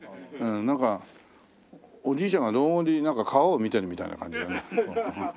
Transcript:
なんかおじいちゃんが老後になんか川を見てるみたいな感じだね。